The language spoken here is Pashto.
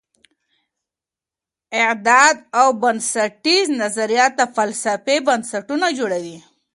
اعداد او بنسټیز نظریات د فلسفې بنسټونه جوړوي.